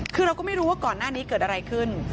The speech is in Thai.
คือเราก็ไม่รู้ว่าก่อนหน้านี้เกิดอะไรขึ้น